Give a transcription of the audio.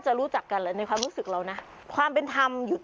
ชาวบ้านก็เป็นวัดนิดนึงนะคะวัดประธุมภนาราม